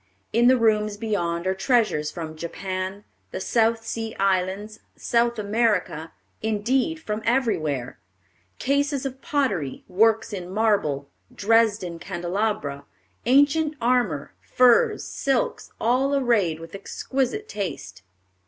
In the rooms beyond are treasures from Japan, the South Sea Islands, South America, indeed from everywhere; cases of pottery, works in marble, Dresden candelabra, ancient armor, furs, silks, all arrayed with exquisite taste.